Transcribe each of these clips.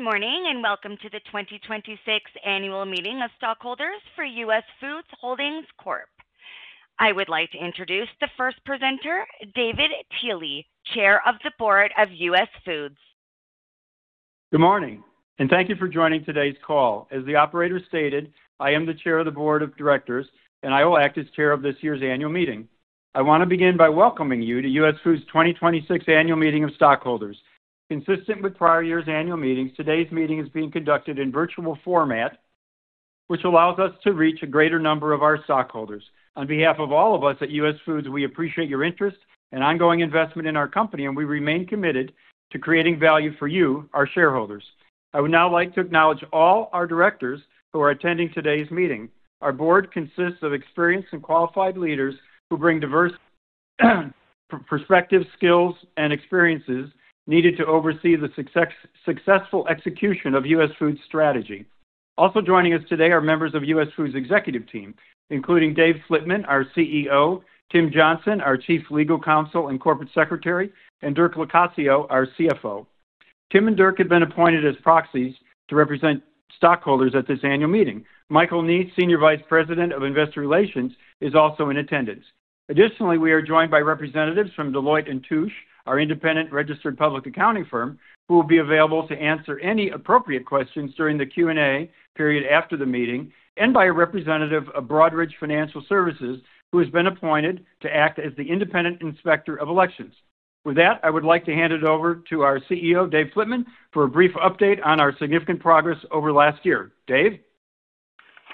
Good morning, and welcome to the 2026 Annual Meeting of Stockholders for US Foods Holding Corp. I would like to introduce the first presenter, David Tehle, Chair of the Board of US Foods. Good morning, thank you for joining today's call. As the operator stated, I am the Chair of the Board of Directors, I will act as Chair of this year's Annual Meeting. I want to begin by welcoming you to US Foods' 2026 Annual Meeting of Stockholders. Consistent with prior years' annual meetings, today's meeting is being conducted in virtual format, which allows us to reach a greater number of our stockholders. On behalf of all of us at US Foods, we appreciate your interest and ongoing investment in our company, we remain committed to creating value for you, our shareholders. I would now like to acknowledge all our directors who are attending today's meeting. Our Board consists of experienced and qualified leaders who bring diverse perspectives, skills, and experiences needed to oversee the successful execution of US Foods' strategy. Also joining us today are members of US Foods' executive team, including Dave Flitman, our Chief Executive Officer, Tim Johnson, our Chief Legal Counsel and Corporate Secretary, and Dirk Locascio, our Chief Financial Officer. Tim and Dirk have been appointed as proxies to represent stockholders at this annual meeting. Michael Neese, Senior Vice President of Investor Relations, is also in attendance. Additionally, we are joined by representatives from Deloitte & Touche, our independent registered public accounting firm, who will be available to answer any appropriate questions during the Q&A period after the meeting, and by a representative of Broadridge Financial Solutions, who has been appointed to act as the independent Inspector of Elections. With that, I would like to hand it over to our Chief Executive Officer, Dave Flitman, for a brief update on our significant progress over the last year. Dave.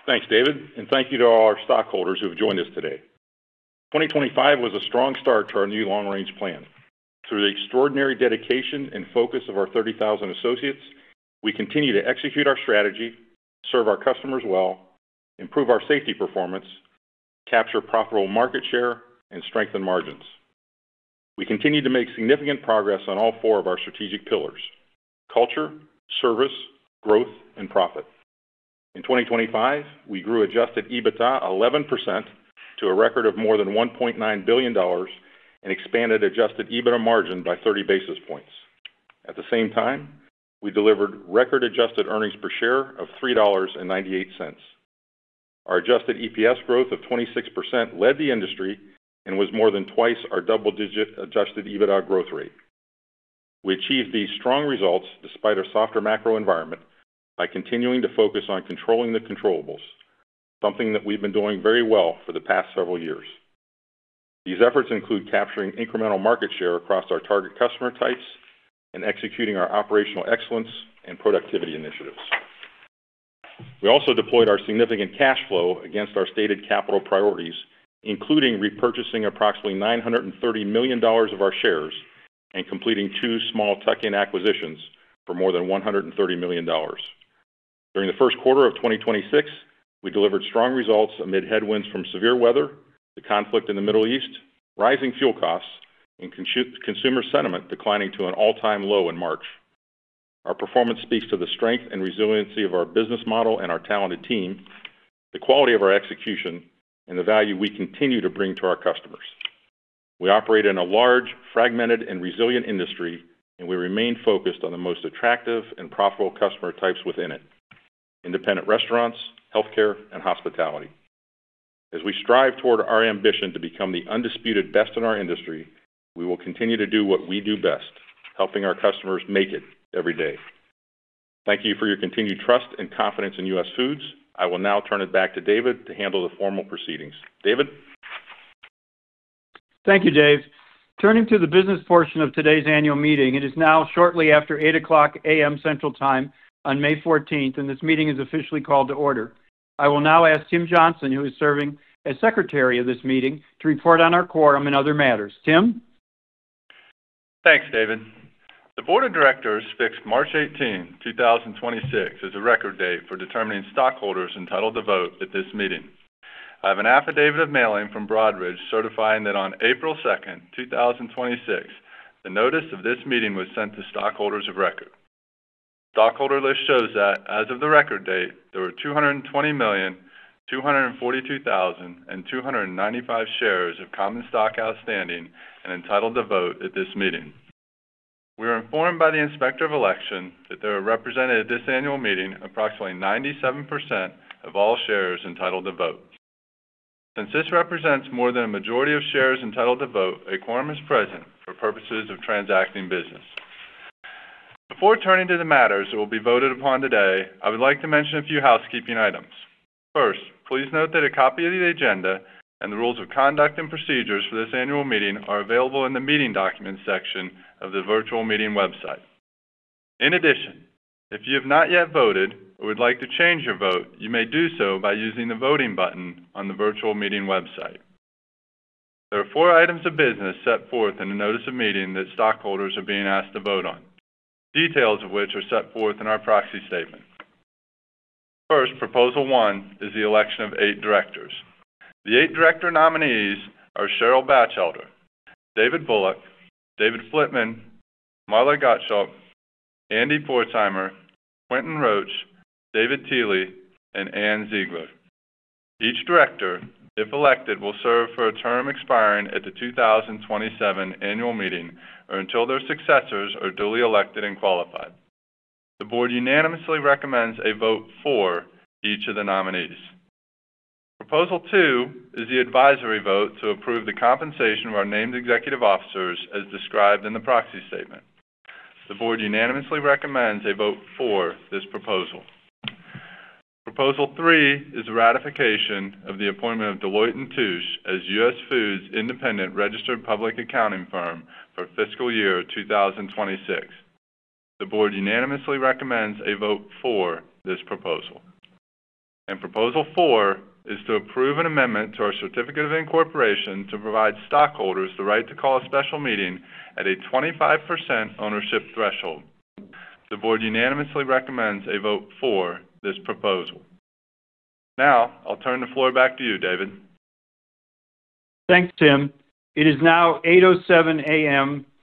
Thanks, David, and thank you to all our stockholders who have joined us today. 2025 was a strong start to our new long-range plan. Through the extraordinary dedication and focus of our 30,000 associates, we continue to execute our strategy, serve our customers well, improve our safety performance, capture profitable market share, and strengthen margins. We continued to make significant progress on all four of our strategic pillars: culture, service, growth, and profit. In 2025, we grew Adjusted EBITDA 11% to a record of more than $1.9 billion and expanded Adjusted EBITDA margin by 30 basis points. At the same time, we delivered record Adjusted Earnings Per Share of $3.98. Our Adjusted EPS growth of 26% led the industry and was more than twice our double-digit Adjusted EBITDA growth rate. We achieved these strong results despite our softer macro environment by continuing to focus on controlling the controllables, something that we've been doing very well for the past several years. These efforts include capturing incremental market share across our target customer types and executing our operational excellence and productivity initiatives. We also deployed our significant cash flow against our stated capital priorities, including repurchasing approximately $930 million of our shares and completing two small tuck-in acquisitions for more than $130 million. During the first quarter of 2026, we delivered strong results amid headwinds from severe weather, the conflict in the Middle East, rising fuel costs, and consumer sentiment declining to an all-time low in March. Our performance speaks to the strength and resiliency of our business model and our talented team, the quality of our execution, and the value we continue to bring to our customers. We operate in a large, fragmented, and resilient industry, and we remain focused on the most attractive and profitable customer types within it: independent restaurants, healthcare, and hospitality. As we strive toward our ambition to become the undisputed best in our industry, we will continue to do what we do best: helping our customers make it every day. Thank you for your continued trust and confidence in US Foods. I will now turn it back to David to handle the formal proceedings. David. Thank you, Dave. Turning to the business portion of today's annual meeting, it is now shortly after 8:00 A.M. Central Time on May 14th, this meeting is officially called to order. I will now ask Tim Johnson, who is serving as Secretary of this meeting, to report on our quorum and other matters. Tim. Thanks, David. The board of directors fixed March 18th, 2026 as a record date for determining stockholders entitled to vote at this meeting. I have an affidavit of mailing from Broadridge certifying that on April 2nd, 2026, the notice of this meeting was sent to stockholders of record. Stockholder list shows that as of the record date, there were 220,242,295 shares of common stock outstanding and entitled to vote at this meeting. We are informed by the Inspector of Election that there are represented at this annual meeting approximately 97% of all shares entitled to vote. Since this represents more than a majority of shares entitled to vote, a quorum is present for purposes of transacting business. Before turning to the matters that will be voted upon today, I would like to mention a few housekeeping items. Please note that a copy of the agenda and the rules of conduct and procedures for this annual meeting are available in the Meeting Documents section of the virtual meeting website. If you have not yet voted or would like to change your vote, you may do so by using the voting button on the virtual meeting website. There are four items of business set forth in the notice of meeting that stockholders are being asked to vote on, details of which are set forth in our proxy statement. Proposal 1 is the election of eight directors. The eight director nominees are Cheryl Bachelder, David Bullock, Dave Flitman, Marla Gottschalk, Andy Pforzheimer, Quentin Roach, David Tehle, and Ann Ziegler. Each director, if elected, will serve for a term expiring at the 2027 annual meeting or until their successors are duly elected and qualified. The Board unanimously recommends a vote for each of the nominees. Proposal 2 is the advisory vote to approve the compensation of our named executive officers as described in the proxy statement. The Board unanimously recommends a vote for this proposal. Proposal 3 is a ratification of the appointment of Deloitte & Touche as US Foods' independent registered public accounting firm for fiscal year 2026. The Board unanimously recommends a vote for this proposal. Proposal 4 is to approve an amendment to our certificate of incorporation to provide stockholders the right to call a special meeting at a 25% ownership threshold. The Board unanimously recommends a vote for this proposal. Now, I'll turn the floor back to you, David. Thanks, Tim. It is now 8:07 A.M. Central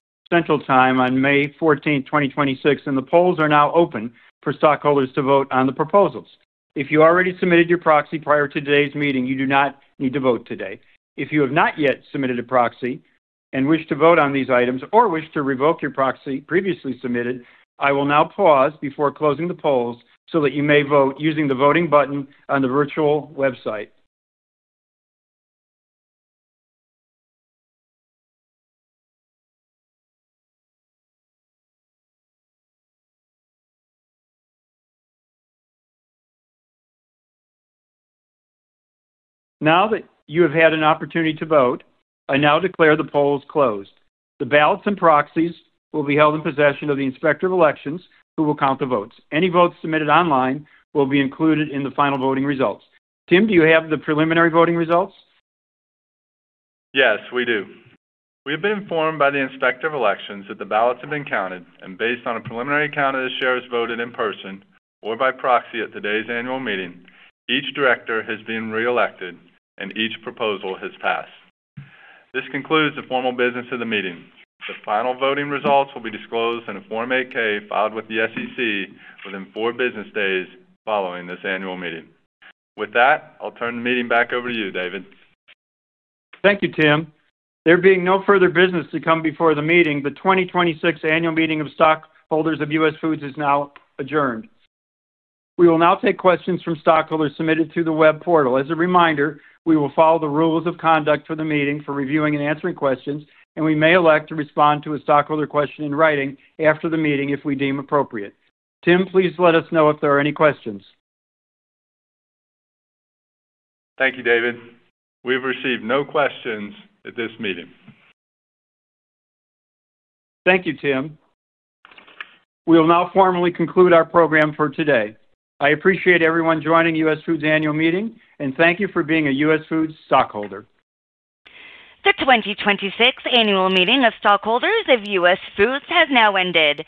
Time on May 14th, 2026. The polls are now open for stockholders to vote on the proposals. If you already submitted your proxy prior to today's meeting, you do not need to vote today. If you have not yet submitted a proxy and wish to vote on these items or wish to revoke your proxy previously submitted, I will now pause before closing the polls so that you may vote using the voting button on the virtual website. Now that you have had an opportunity to vote, I now declare the polls closed. The ballots and proxies will be held in possession of the Inspector of Elections, who will count the votes. Any votes submitted online will be included in the final voting results. Tim, do you have the preliminary voting results? Yes, we do. We've been informed by the Inspector of Elections that the ballots have been counted. Based on a preliminary count of the shares voted in person or by proxy at today's annual meeting, each director has been reelected and each proposal has passed. This concludes the formal business of the meeting. The final voting results will be disclosed in a Form 8-K filed with the SEC within four business days following this annual meeting. With that, I'll turn the meeting back over to you, David. Thank you, Tim. There being no further business to come before the meeting, the 2026 Annual Meeting of Stockholders of US Foods is now adjourned. We will now take questions from stockholders submitted through the web portal. As a reminder, we will follow the rules of conduct for the meeting for reviewing and answering questions, and we may elect to respond to a stockholder question in writing after the meeting if we deem appropriate. Tim, please let us know if there are any questions. Thank you, David. We've received no questions at this meeting. Thank you, Tim. We will now formally conclude our program for today. I appreciate everyone joining US Foods annual meeting, and thank you for being a US Foods stockholder. The 2026 Annual Meeting of Stockholders of US Foods has now ended.